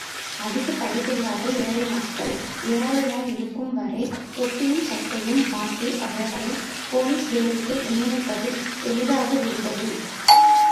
அதிகப் படிப்பில்லாத ஏழை மக்கள் ஏராளமாயிருக்கும் வரை தொப்பியும் சட்டையும் மாட்டி அவர்களைப் போலீஸ் வேலைக்கு நியமிப்பது எளிதாகவிருந்தது.